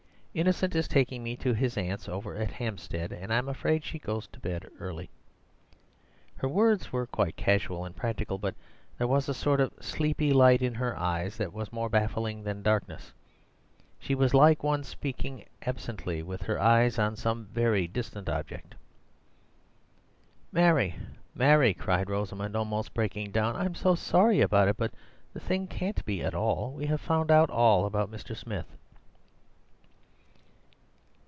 Innocent is taking me to his aunt's over at Hampstead, and I'm afraid she goes to bed early." Her words were quite casual and practical, but there was a sort of sleepy light in her eyes that was more baffling than darkness; she was like one speaking absently with her eye on some very distant object. "Mary, Mary," cried Rosamund, almost breaking down, "I'm so sorry about it, but the thing can't be at all. We—we have found out all about Mr. Smith."